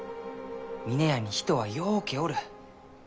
峰屋に人はようけおる。